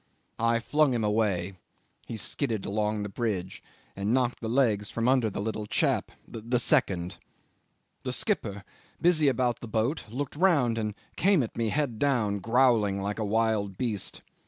I flung him away, he skidded along the bridge and knocked the legs from under the little chap the second. The skipper, busy about the boat, looked round and came at me head down, growling like a wild beast.